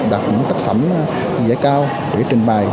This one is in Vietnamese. đặt những tác phẩm giải cao để trình bày